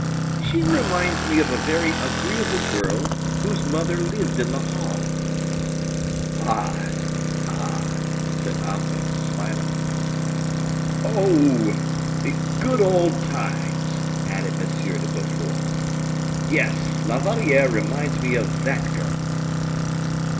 "She reminds me of a very agreeable girl, whose mother lived in the Halles." "Ah! ah!" said Athos, smiling. "Oh! the good old times," added M. de Beaufort. "Yes, La Valliere reminds me of that girl."